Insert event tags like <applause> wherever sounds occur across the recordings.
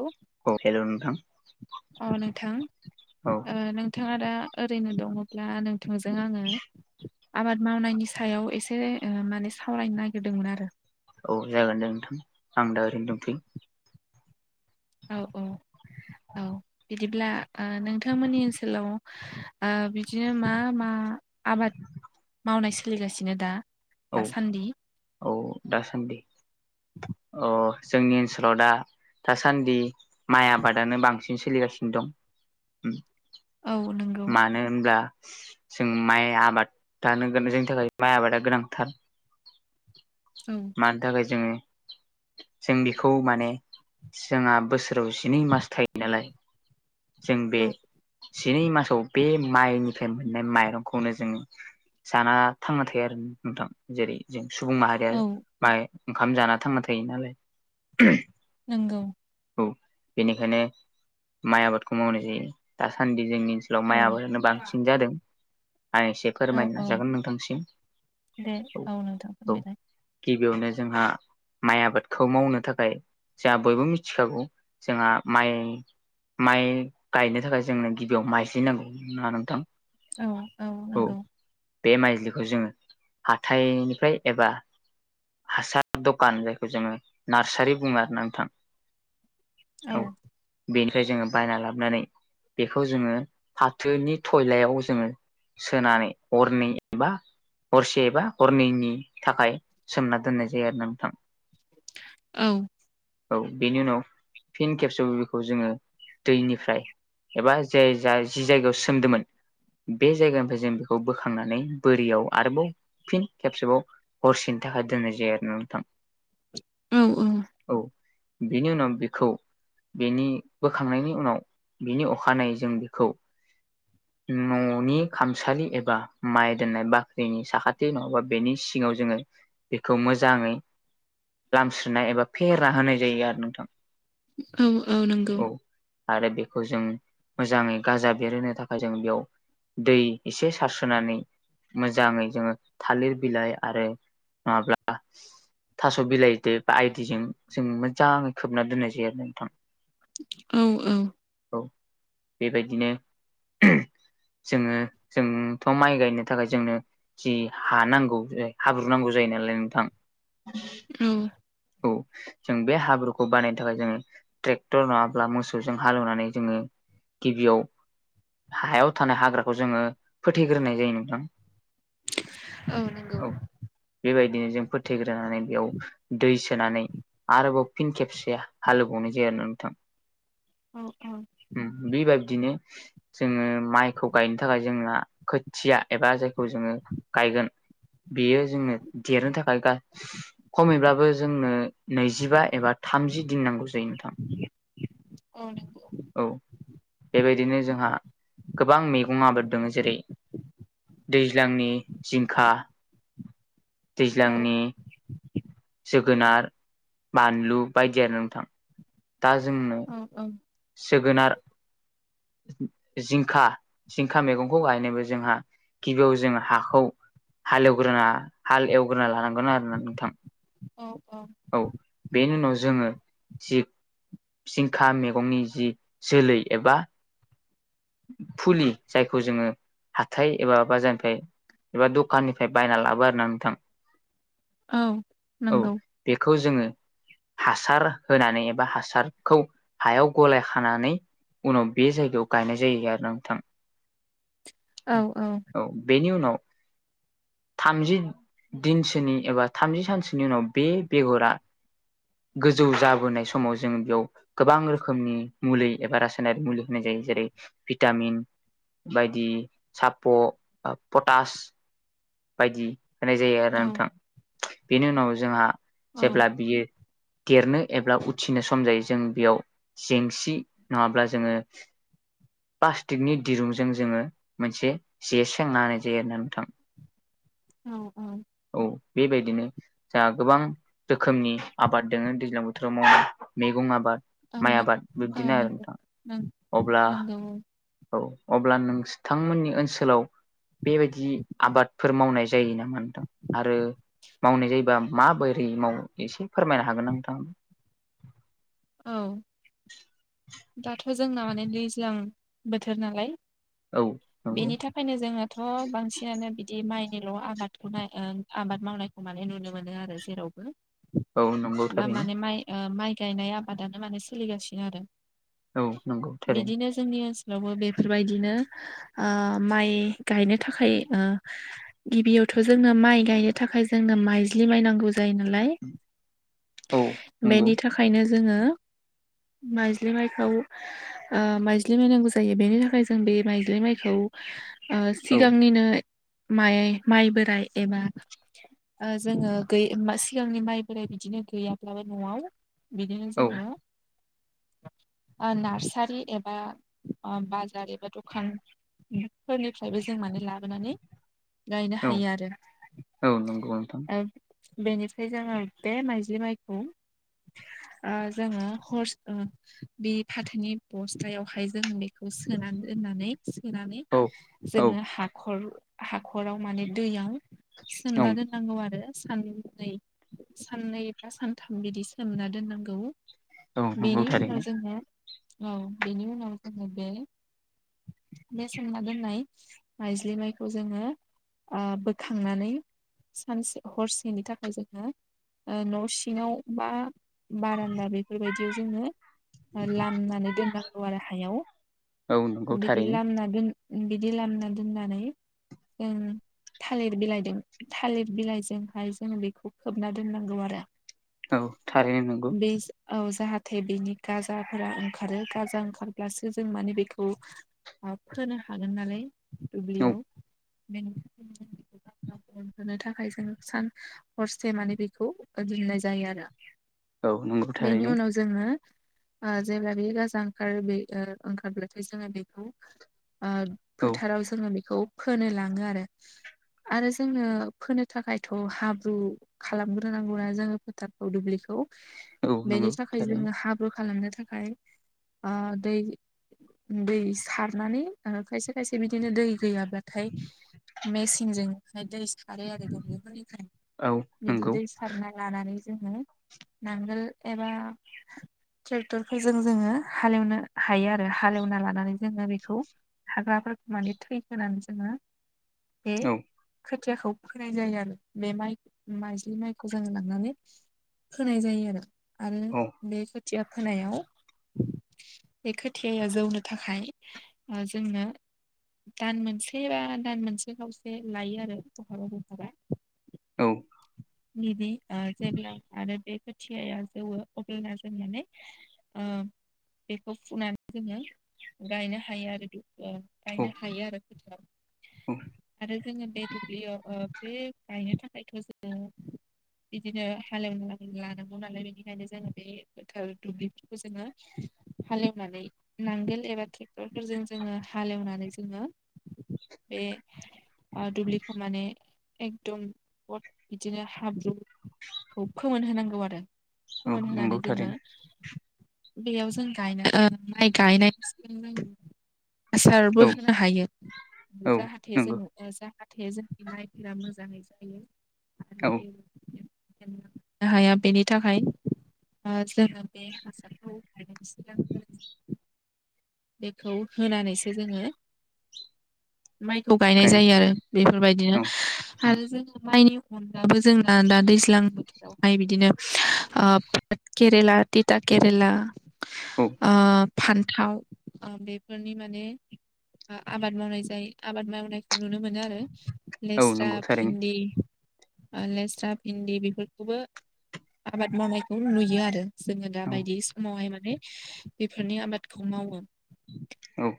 औ हेल' नोंथां अ नोंथां औ ओ नों नोंथाङा दा ओरैनो दङब्ला नोंथांजों आङो आबाद मावनायनि सायाव एसे ओ माने सावरायनो नागिरदोंमोन आरो औ जागोन दे नोंथां आं दा ओरैनो दंथयो औ औ औ बिदिब्ला ओ नोंथांमोननि ओनसोलाव ओ बिदिनो मा मा आबाद मावनाय सोलिगासिनो दा औ दासान्दि औ दासान्दि अ जोंनि ओनसोलाव दा दासान्दि माइ आबादानो बांसिन सोलिगासिनो दं औ नंगौ मानो होनब्ला जों माइ आबादानो जोंनि थाखाय माइ आबादा गोनांथार औ मानि थाखाय जोङो जों बेखौ माने जोंहा बोसोराव जिनै मास थायो नालाय जों बे औ जिनै मासाव बे माइनिफ्राय मोननाय माइरंखौनो जों जाना थांना थायो आरो नोंथां जेरै जों सुबुं माहारिया औ माइ ओंखाम जाना थांना थायो नालाय नोंगौ औ बेनिखायनो माइ आबादखौ मावनाय जायो दासान्दि जोंनि ओनसोल ल औ माइ आबादानो बांसिन जादों आ एसे औ फोरमायनो औ नाजागोन नोंथांसिम दे औ नोंथां औ फोरमायलाय गिबियावनो जोंहा माइ आबादखौ मावनो थाखाय जोंहा बयबो मिथिखागौ जोंहा माइ माइ गायनो थाखाय जोंनो गिबियाव माइज्रि नांगौ नङा नोंथां औ औ नंगौ बे माइज्लिखौ जोङो हाथाइनिफ्राय एबा हासार दखान जायखौ जोङो नार्सारि बुङो आरो ना नोंथां औ बेनिफ्राय जोङो बायना लाब नानै बेखौ जोङो फाथोनि थयलायाव जोङो सोनानै हरनै एबा हरसेबा हरनैनि थाखाय सोमना दोननाय जायो आरो ना नोंथां औ औ बेनि उनाव फिन खेबसेबो बेखौ जोङो दैनि फ्राय एबा जे जाय जि जायगायाव सोमदोंमोन बे जायगानिफ्राय जों बेखौ बोखांनानै बोरियाव आरोबाव फिन खेबसेबाव हरसेनि थाखाय दोननाय जायो आरो ना नोंथां औ औ औ बेनि उनाव बेखौ बेनि बोखांनायनि उनाव बिनि अखानायै जों बेखौ <inaudible> न'नि खामसालि एबा माइ दोननाय बाख्रिनि साखाथि नङाबा बेनि सिङाव जोङो बेखौ मोजाङै लामस्रिनाय एबा फेरा होनाय जायो आरो नोंथां औ नंगौ औ आरो बे खौ जों मोजाङै गाजा बेरहोनो थाखाय जों बेयाव दै एसे सारस्रोनानै मोजाङै जोङो थालिर बिलाइ आरो नङाब्ला थास' बिलाइदो बा आइदिजों जों मोजाङै खोबना दोननाय जायो आरो नोंथां औ औ औ बेबायदिनो जोङो जोंथ' माइ गायनो थाखाय जोंनो जि हा नांगौ हाब्रु नांगौ जायो नालाय नोंथां औ औ जों बे हाब्रुखौ बानायनो थाखाय जोङो ट्रेक्टर नङाब्ला मोसौजों हालेवनानै जोङो गिबियाव हायाव थानाय हाग्राखौ जोङो फोथैग्रोनाय जायो नोंथां औ नंगौ। बेबायदिनो जों फोथैग्रोनानै बेयाव दै सोनानै आरोबाव फिन खेबसे हालेवबावनाय जायो आरोना नोंथां। औ औ बि बाबदिनो जोङो माइखौ गायनो थाखाय जोंना खोथिया एबा जायखौ जोङो गायगोन बियो जोंङनो देरनो थाखाय खमैब्लाबो जोंनो नैजिबा एबा थामजि दिन नांगौ जायो नोंथां। औ नंगौ औ बेबायदिनो जोंहा गोबां मैगं आबाद दङ जेरै दैज्लांनि जिंखा औ दैज्लांनि जोगोनार बानलु बायदि आरो नोंथां। दा जोंनो औ औ जोगोनार जिंखा जिंखा मैगंखौ गायनोबो जोंहा गिबियाव जों हाखौ हाल एवग्रोना हाल एवग्रोना लानांगोन आरोना नोंथां। औ औ औ बेनि उनाव जोङो थिग जिंखा मैगंनि जि जोलै एबा फुलि जायखौ जोङो हाथाय एबा बाजारनिफ्राय एबा दखाननिफ्राय बायना लाबो आरो ना नोंथां। औ औ नंगौ। बेखौ जोङो हासार होनानै एबा हासारखौ हायाव गलाय खानानै उनाव बे जायगायाव गायनाय जायो आरो ना नोंथां। औ औ बेनि उनाव थामजि दिनसोनि एबा थामजि सानसोनि उनाव बे बेगरा गोजौ जाबोनाय समाव जों बेयाव गोबां रोखोमनि मुलि एबा रासायनारि मुलि होनाय जायो जेरै भिटामिन बायदि साप' पटास बायदि होनाय जायो आरो औ नोंथां बेनि उनाव जोंहा जेब्ला बियो देरनो एबा उथ्रिनो सम जायो जों बेयाव जेंसि नङाब्ला जोङो प्लास्टिकनि दिरुंजों जोङो मोनसे जे सेेंनाहोनाय जायो आरोना नोंथां। औ औ। औ बेबायदिनो जा गोबां रोखोमनि आबाद दोङो दैज्लां बोथोराव मावनाय मैगं आबाद माइ नों आबाद औ बिब्दिनो आरो नंगौ नोंथाङा। नों अब्ला नंगौ औ औ अब्ला नोंस्थांमोननि ओनसोलाव बेबायदि आबादफोर मावनाय जायो नामा नोंथां? आरो मावनाय जायोबा माबोरै मावो एसे फोरमायनो हागोनना नोंथां? औ। दाथ' जोंना माने दैज्लां बोथोर नालाय औ। नंगौ बेनि थाखायनो जोङोथ' बांसिनानो बिदि माइनिल' आबादखौनाय ओ आबाद मावनाय खौ माने नुनो मोनो आरो जेरावबो। औ नंगौ दा थारैनो माने माइ ओ माइ गायनाय आबादानो माने सोलिगासिनो आरो। औ नंगौ थारैनो। बिदिनो जोंनि ओनसोलावबो बेफोरबायदिनो ओ माइ गायनो थाखाय ओ गिबियावथ' जोंनो माइ गायनो थाखाय जोंनो माइज्लि माइ नांगौ जायो नालाय। औ नंगौ बेनि थाखायनो जोङो माइज्लि माइखौ ओ‌ माइज्लि माइ नांगौ जायो। बेनि थाखाय जों बे माइज्लि माइ औ ओ औ सिगांनिनो माइ माइ बोराइ एबा ओ जोङो गै सिगांनि माइ बोराय बिदिनो गैयाब्लाबो न'आव बिदिनो औ जोंहा ओ नार्सारि एबा बाजार एबा दखान फोरनिफ्रायबो जों माने ला बोनानै गायनो औ हायो आरो। औ नंगौ नोंथां ओ बेनिफ्राय जोङो बे माइज्लि माइखौ ओ जोङो हरस ओ बे फाथोनि बस्थायाव फ्राय जोङो बेखौ सोनानै दोननानै सोनानै औ औ जोङो हाखर हाख'राव माने दैयाव औ सोमना दोन नांगौ आरो साननै साननै बा सानथाम बिदि सोमना दोननांगौ। औ नंगौ बेनि थारैनो उनाव जोङो औ बेनि उनाव जोङो बे बे सोमना दोननाय मायज्लिमाइखौ जोङो ओ बोखांनानै सानसे हरसेनि थाखाय जोङो ओ न' सिङाव बा बारान्दा बेफोरबायदियाव जोङो लामनानै दोननांगौ आरो हायाव। औ नंगौ। बिदि थारैनो लामना दोन बिदि लामा दोननानै जों थालिर बिलाइदों थालिर बिलाइजोंहाय जोङो बेखौ खोबना दोननांगौ आरो। औ थारैनो नंगौ बेज औ जाहाथे बेनि गाजाफोरा ओंखारो गाजा ओंखारब्लासो जों माने बेखौ आ फोनो हागोन नालाय औ दुब्लियाव <unintelligible> गाजा बेरहोनो थाखाय जों सान हरसे माने बेखौ दोननाय जायो आरो। औ नंगौ बेेनि थारैनो उनाव ज जोङो ओ जेब्ला बे गाजा ओंखार बि ओ ओंखारब्लाथाय जोङो बेखौ ओ औ फोथाराव जोङो बेखौ फोनो लाङो आरो। आरो जोंनो फोनो थाखायथ' हाब्रु खालामग्रोनांगौ ना जोङो फोथारखौ दुब्लिखौ। औ नंगौ बेनि थाखाय थारैनो जोङो हाब्रु खालामनो थाखाय आ दै दैस सारनानै ओ खायसे खायसे बिदिनो दै गैयाब्लाथाय मेसिनजों दै सारो आरो दुब्लिफोरनिफ्राय औ बिदि नंगौ दै सारना लानानै जोङो नांगोल एबा ट्रेक्टरफोरजों जोङो हालेवनो हायो आरो हालेवना लानानै जोङो बेखौ हाग्राफोरखौ माने थै होनानै जोङो बे औ खोथियाखौ फोनाय जायो आरो। बे माइ माइजलि माइखौ जोङ लांनानै होनाय जायो आरो आरो औ बे खोथिया फोनायाव बे खोथियाया जौनो थाखाय जोंनो दान मोनसेबा दान मोनसे खावसे लायो आरो बहाबा बहाबा औ। बिदि जेब्ला आरो बे खोथियाया जौवो अब्लाना जों बे ओ बेखौ फुनानै जोङो गायनो हायो आरो। ओ औ गायनो हायो आरो। औ आरो जोङो बे दुब्लियाव बे गायनो थाखायथ' जोङो बिदिनो हालेवना लानांगौ नालाय बेनिखायनो जोङो बे दुब्लिफोरखौ जोङो हालौनानै नांगोल एबा ट्रेक्टरफोरजों जोङो हालेवनानै जोङो बे दुब्लिखौ माने एकदम बिदिनो हाब्रुखौ फोमोनहोनांगौ आरो औ नंगौ फोमोनहानै जोङो थारैनो बेयाव जों गायनो माइ गाय सिगोन जों आसारबो औ होनो हायो औ जाहाथे नंगौ जों जाहाथे जोंनि माइफोरा मोजाङै जायो औ आरो बेनो नो हाया बेनि थाखाय जोङो बे हासारखौ बेखौ होनानैसो जोङो माइखौ गायनाय ओंखायनो जायो आरो बेफोरबायदिनो औ आरो जोङो माइनि अनब्लााबो जोंना दा दैज्लां हाय बिदिनो केरेला ओ थिता केरेला औ आ फान्थाव बेफोरनि माने आबाद मावनाय जायो आबाद मावनायखौ नुनो मोनो आरो औ लेस्रा नंगौ थारैनो भिन्दि लेस्रा भिन्दि बेफोरखौबो आबाद मावनायखौ नुयो आरो। जोङो दा औ बायदि समावहाय माने बेफोरनि आबादखौ मावो। औ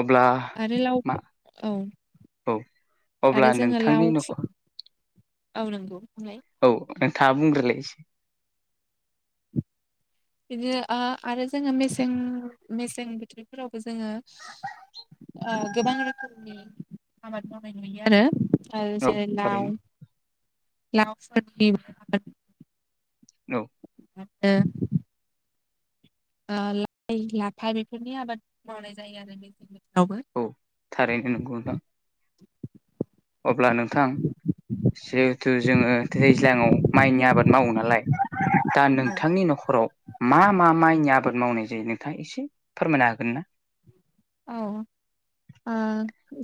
अब्ला आरो लाव मा औ औ आरो अब्ला जोङो लाव नोंथांनि खु- न'खर औ नंगौ बुंलाय औ नोंथाङा बुंग्रोलाय एसे। बिदिनो आरो जोङो मेसें मेसें बोथोरफोरावबो जोङो ओ गोबां रोखोमनि आबाद मावनाय नुयो आरो। आरो औ जेरै लाव थारैनो लावफोरनि हेलौ। मोनो। ओ लाइ लाफा बेफोरनि आबाद मावनाय जायो आरो बे <unintelligible> औ थारैनो नंगौ नोंथां अब्ला नोंथां जिहेथु जोङो दैज्लाङाव माइनि आबाद मावो नालाय दा नोंथांनि न'खराव मा मा माइनि आबाद मावनाय जायो नोंथाङा एसे फोरमायनो हागोन ना? औ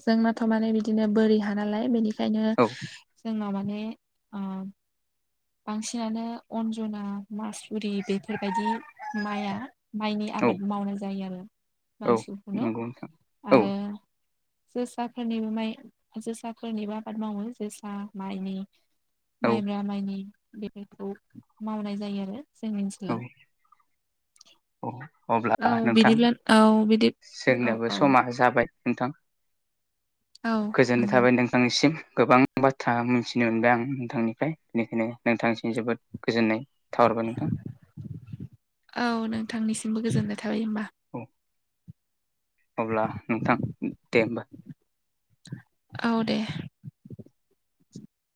जोंनाथ' माने बिदिनो बोरि ह नालाय बेनि ओंखायनो औ जोंना माने ओ बांसिनानो अन्जना मासुरि बेफोरबायदि माइया माइनि औ आबाद मावनाय जायो आरो औ बांसिनखौनो नंगौ नोंथां औ आरो जोसाफोरनिबो माइ जोसाफोरनिबो आबाद मावो जोसा माइनि औ माइब्रा माइनि बेफोरखौ मावनाय जायो आरो जोंनि औ ओनसोलाव अब्ला औ नोंथां बिदिब्ला औ बिदि औ जोंनियाबो औ समाज जाबाय नोंथां औ गोजोननाय नंगौ थाबाय नोंथ नोंथांनिसिम गोबां बाथ्रा मिथिनो मोनबाय आं नोंथांनिफ्राय बेनिखायनो नोंथांनिसिम जोबोद गोजोननाय थाहरबाय नोंथां औ नोंथांनिसिमबो गोजोननाय थाबाय हबा औ अब्ला नोंथां दे होमबा औ दे